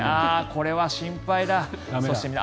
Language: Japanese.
これは心配だ！